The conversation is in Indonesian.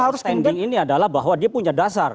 jadi legal standing ini adalah bahwa dia punya dasar